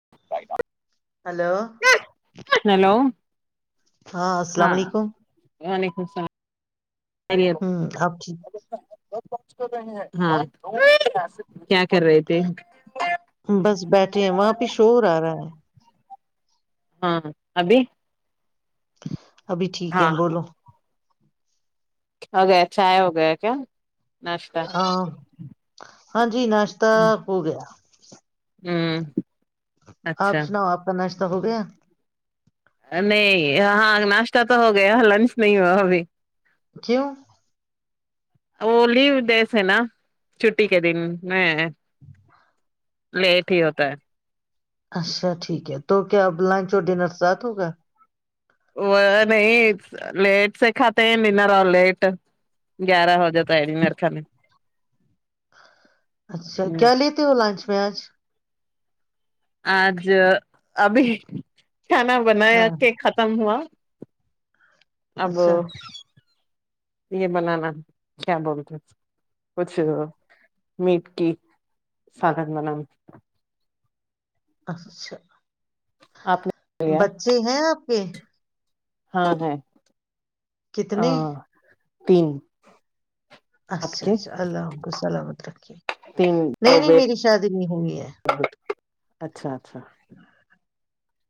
ف hello hello ہاں السلام علیکم حسان ہوں اپ ٹھیک ہاں کر رہے تھے بس بیٹھے ہیں وہاں پہ شور آ رہا ہے ہاں ابھی ابھی ٹھیک ہے ہاں بولو ہو گیا چائے ہو گیا کیا ناشتہ ہاں ہاں ج جی ناشت ہو گیا [unintelligible] ہوں اچھا ا ہو گیا نہیں ہاں ناشتہ تو ہو گیا لنچ نہیں ہوا ابھی کیوں وہ لیو جیسے نا چھٹی کے دن میں لیٹ ہی ہوتا ہے اچھا ٹھیک ہے تو کیا اب لنچ اور ڈنر ساتھ ہوگا وہ نہیں لیٹ سے کھاتے ہیں ننر اور لیٹ گیارہ ہو جاتا ہےر کھانے اچھا کیا لیتے ہو لانچ میں آج آج ابھی کھانا بنایا ہاں کے ختم ہوا ابو اچھا یہ بنانا کیا بولتے ہیں کچھ میٹ کی سادن بنانا اچھا آپ نے لیا بچے ہیں آپ [inaudible] ہاں کتنے تین آپ اچھا کے اچھا اللہ کو سلامت رکھیے تین نہیں دو نہیں بیٹ میری شادی نہیں ہوئی ہے اچھا اچھا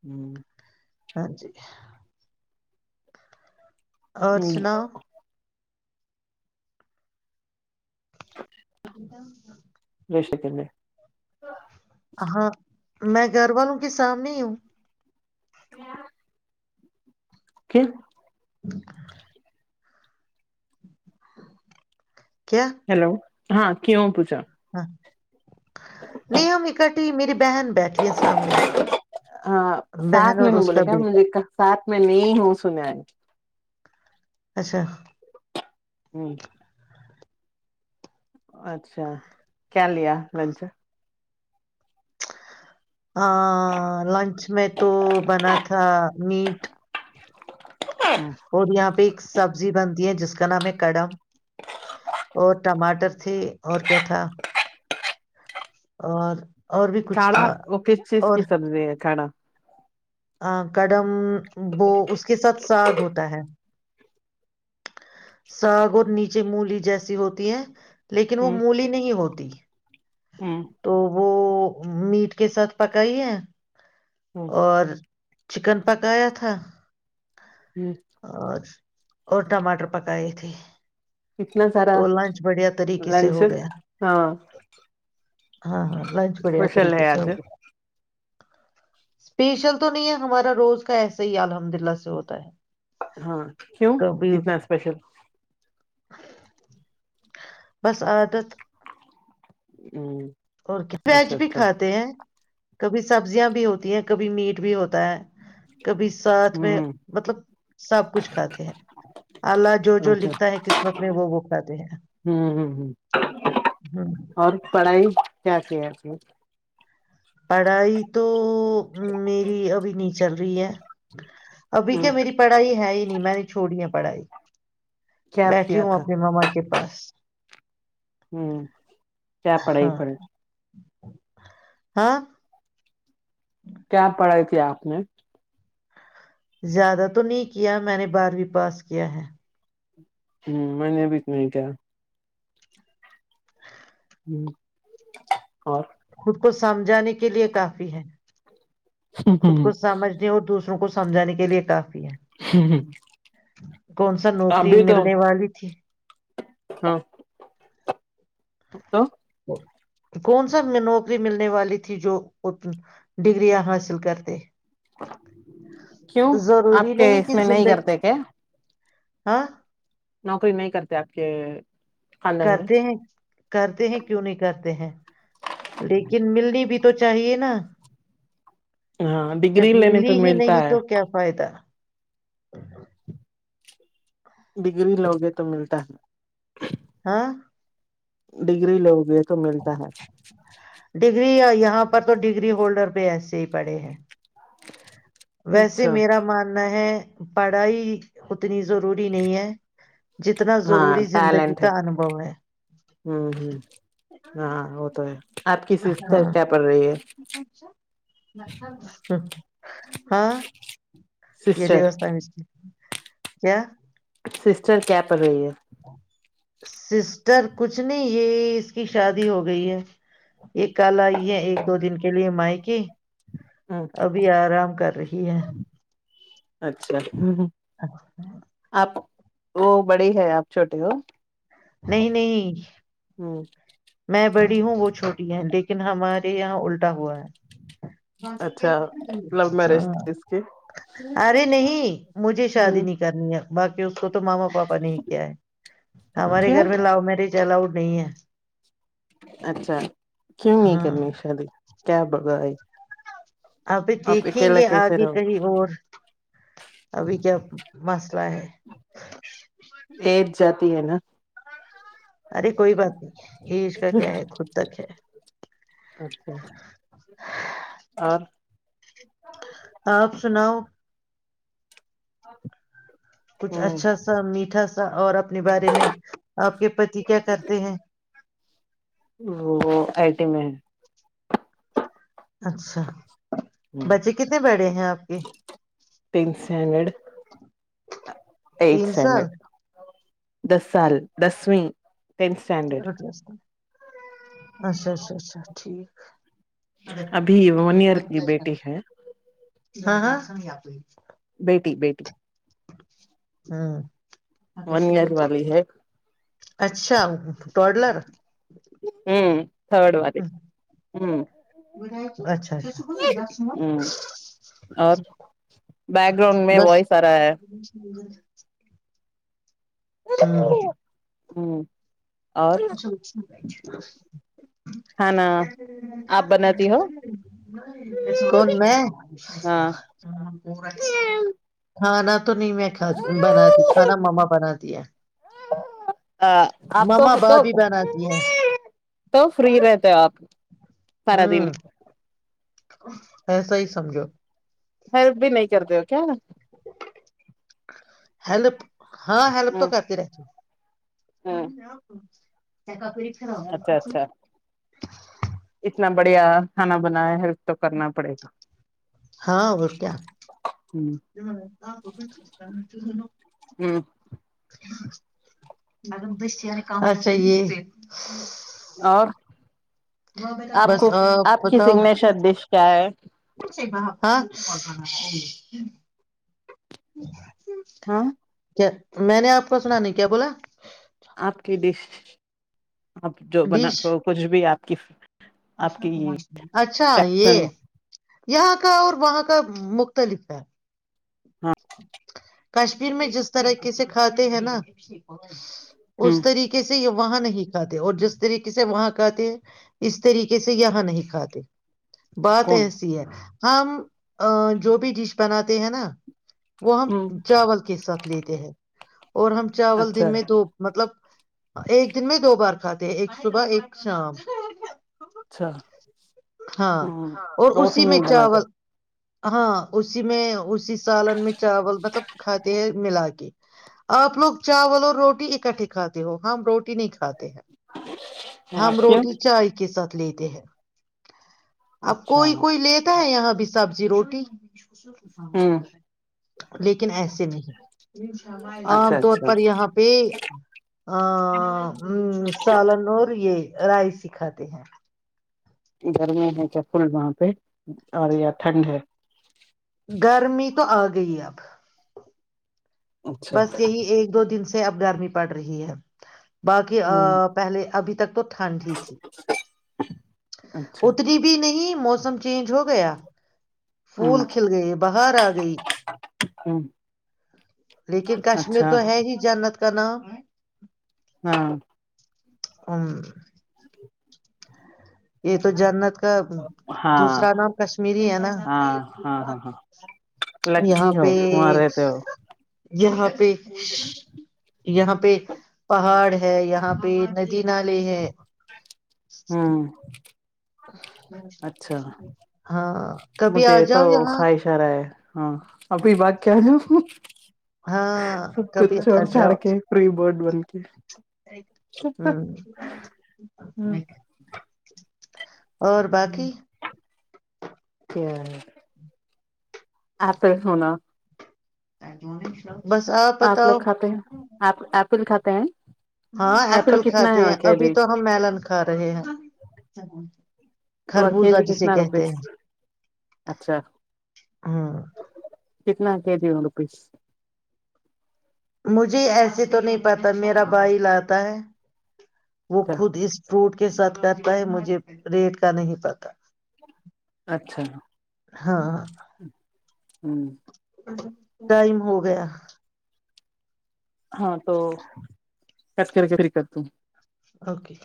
ہوں ہاں جی ارچنا [inaudible] [inaudible] شکے ہاں میں گھر والوں کے سامنے ہی ہوں ا کیا کیا ہیلو ہاں کیوں پوچا ہاں [inaudible] میری بہن بیٹھی ہے سامنے ہاں بہن ساتھ میں اور ہوں اس بولے کا کیا بیٹا مجھے ساتھ میں نہیں ہوں سنا ہے اچھا ہوں اچھا کیا لیا لنچ لنچ میں تو بنا تھا میٹ اور یہاں پہ ایک سبزی بنتی ہے جس اس کا نام ہے کڑم اور ٹماٹر تھی اور کیا تھا اور اور بھی کچھ کڑھا تھا وہ کس چیز اور کی سبزی ہے کھا کڑم وہ اس کے ساتھ ساگ ہوتا ہے ساگ اور نیچے مولی جیسی ہوتی ہیں لیکن وہ مولی نہیں ہوتی دیی ہوں وہ میٹ کے ساتھ پکائی ہے اور چکن پکایا تھا اور اور ٹماٹر پکائے تھے اتنا سارا تو لنچ بڑھیا طریقے سے لنچ ہو گیا ہاں ہاں ہاں لنچ بڑھیا اسپیشل طریقے ہے سے ہو آج گیا سپیشل تو نہیں، ہمارا روز کا ایسے ہی الحمدللہ سے ہوتا ہے ہاں کیوں کبھی اتنا اسپیشل بس عادت ہوں اور کیا ویج بھی کھاتے ہیں کبھی سبزیاں بھی ہوتی ہیں کبھی میٹ بھی ہوتا ہے کبھی ساتھ میں ہ مطلب سب کچھ کھاتے ہیں الہ جو جو اچھا لکھتا ہے قسمت میں وہ وہ کھاتے ہیں ہ ہ ہ ہ اور پڑھائی کیا سے سے پڑھائی تو میری ابھی نہیں چل رہ ت ہے ابھی ہ کیا میری پڑھائی ہے ہی نہیں میں نے چھوڑیا پڑھائی کیا بیٹھی کیا ہوں تھا اپنے ماما کے پاس فقٹذ؀ںوع ہوں کیا پڑھائی پڑے ہاں کیا پڑھائی تھی آپ نے زیادہ تو نہیں کیا میں نے بارہویں پاس کیا ہے ہوں میں نے ابھی اتنا ہی کیا ہ ہوں اور خود کو سمجھانے کے لیے کافی ہے خود کو سمجھنے اور دوسرا کو سمھانے کے لیے کہا آپ کون سا نوکری بھی تو ملنے والی تھی ا تو کون سا نوکری ملنے والی تھی جو ڈگگریاں حاصل کرتے کیوں آپ ضروری کے اس کہ میں نہیں زندگی کرتے کیا ہاں نوکری نہیں کرتے آپ کے خاندان میں کرتے ہیں کرتے ہیں کیوں نہیں کرتے ہیں لیکن ملنی بھی تو چاہیے نا ہاں ڈگری جب لینے پہ ملتا ہے ہ ڈگری لوگے تو ملتا ہے ہاں ڈگری لو گے ڈگری یہاں پر تو ڈگری ہولڈر ایسے ہی پڑے ہیں عرر ویسے میرا ماننا ہے پڑھائی اتنی ضروری نہیں ہے جتنا ہاں ضروری زندگی ٹیلنٹ کا ہے انبو ہے ہوں ہوں ہاں وہ تو ہے آپ کی سسٹر ہاں کیا پڑھ رہی ہے ہ [inaudible] ہاں سسٹر م [inaudible] کیا سسٹر کیا پڈھ رہی ہے سسٹر کچھ نہیں یہ اس کی شادی ہو گئی ہے یہ کل آئی ہے ایک دو دن کے لیے میکے ہ ابھی آرام کر رہی ہے اچھا ہ ہ آپ وہ بڑی ہے آپ چھوٹے ہو نہیں نہیں ہ میں بڑی ہوں وہ چھوٹی ہے لیکن ہمارے یہاں الٹا الٹا ہوا ہے اچھا لو میرج تھی اس کی ارے نہیں مجھے شادی ہ نہیں کرنی ہے باقی اس کو اس کو تو ماما پاپا نے ہی کیا ہے ہمارے گھر کیوں میں لو میرج الاؤڈ نہیں ہے اچھا کیوں نہیں ہاں کرنی شادی کیا برای ہے اپ بھی دیکھیں گے کیسے آگے رہو کہیں اور ابھی کیا مسئلہ ہے [inaudible] ایج جاتی ہے نا ارے کوئی بات نہیں ایج کا کیا ہے خود تک ہے اچھا اور [inaudible] آپ سناؤ [inaudible] کچھ ہ اچھا سا میٹھا سا اور اپنے بارے میں آپ کے پتی کیا کرتے ہیں وہ آئی ٹی میں ہے اچھا بچے کتنے بڑے ہیں آپ کے تین اسٹینڈرڈ ایٹ تین اسٹینڈرڈ سال دس سال دسویں ٹینتھ اسٹینڈرڈ [unintelligible] اچھا اچھا اچھا ٹھیک ابھی ون ایئر کی بیٹی ہے ہاں ہاں ہم آپ بیٹی بیٹی ہاں ون ایئر والی ہے اچھا ٹلر ہوں تھرڈ وار ہوں اچھا اچھا ہوں اور بیک گراؤنڈ میں بس وائس آ رہا ہے ج [unintelligible] ہوں اور اسکول میں [unintelligible] کھانا آپ بناتی ہو ہاں تو نہیں میں کھ بناتی کھانا مما بناتی [unintelligible] آپ کو مما تو بھابھی بناتی ہیں تو فری رہتے ہو آپ سارا دن ہوں ایسا ہی سمجھو ہیلپ بھی نہیں کرتے ہو کیا ہیلپ ہاں ہیلپ تو ہ کرتی رہتی ہ ہوں آپ کا پری خرا اچھا ہوتی اچھا ک اتنا بڑھیا کھانا بنایا ہ ہاں وہ کیا ہ مگراہے ہ اور آپ بس کو آپ کی بتاؤ سگنیشر ڈش کیا ہے [unintelligible] ہاں کیا میں نے آپ کو سنا نہیں کیا بولا آپ کی ڈش آپ جو بنا ڈش کچھ بھی آپ کف [unintelligible] اچھا یہ ہاں [unintelligible] یہاں کا اور وہاں کا مختلف ہے ہاں کشمیر میں جس طرحق سے کھاتے ہیں نا ہ اس طریقے سے یہ وہاں نہیں کھاتے اور جس طریقے سے وہاں کھاتے ہیں اس طریقے سے یہاں نہیں کھاتے بات کون ایسی ہے ہم ا جو بھی ڈش بناتے ہیں نا وہ ہم ہ چاول کے ساتھ لیتے ہیں اور ہم چاول دن اچھا میں دو مطلب ایک دن میں دو بار کھاتے ہیں ایک صبح ایک شام اچھا ہاں ہ اور روٹی اسی میں نہیں بناتے چاول ہاں اسی میں اسی سالن میں چاول مطلب کھاتے ہیں ملا کے آپ لوگ چاول اور روٹی اکٹھے کاتے ہو ہم روٹی نہیں کھاتے ہیں ہم اچھا ہوں روٹی چائے کے ساتھ لیتے ہیں اب کوئی کوئی لیتا ہے یہاں بھی سبزی جی روٹی کچش لیکن ایسے نہیں عام اچھا طور اچھا پر یہاں پہ آ [unintelligible] ہ سال ن اورور یہ رائی سکھاتے ہیں گرمی ہے کیا فل وہاں پہ اور یا ٹھنڈ ہے گرمی تو آ گئی اب اچھا بس یہی ایک دو دن سے اب گرمی پڑ رہی ہے باقی ہ پہلے ابھی تک تو ٹھنڈ ہی تھی اچھا اتنی بھی نہیں موسم چینج ہو گیا پھول ہ کھل گئے باہر آ گئی ہ لیکن کشمیر اچھا تو ہے ہی جاننا کا نام ہاں ہ یہ تو جنت کا ہاں دوسرا نام کشمیری ہے نا ہاں ہاں ہاں ہاں یہاں لکی ہو پہ وہاں رہتے ہو یہاں پہ پہ یہاں پہ پہاڑ ہے یہاں پہ ندی نالے ہے ہاں اچھا ہاں کبھی مجھے آ تو جاؤ یہاں خواہش آ رہا ہے ہاں ابھی باق کیا ہے [unintelligible] ہاں کبھی جاؤ کے فری برڈ بن کے ہ [unintelligible] ہ باقی کیا آپ ہی ہونا ایک د م بس آپ بتاؤ لوگ کھاتے ہیں آپ ایپل کھاتے ہیں ہاں ایپل کتنا کھاتے ہے ہیں کے ابھی جی تو ہم ملن کھا رہے ہیں اور کے خربوزہ جی جسے کتنا کہتے روپیس ہیں اچھا ہاں کتنا کہ دی ہ روپیس مجھے ایسے تو نہیں پتا میرا بھائی لاتا ہے وہ اچھا خود اس فروٹ کے ساتھ کرتا ہے مجھے ریٹ کا نہیں پتا اچھا ہاں ہوں ڈائم ہو گیا ہاں تو کچ کر کے فری کر ت اوکے